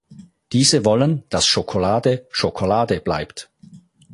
Diese wollen, dass Schokolade Schokolade bleibt.